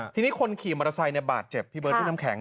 ทีนี้คนขี่มอเตอร์ไซค์บาดเจ็บพี่เบิร์ดพี่น้ำแข็ง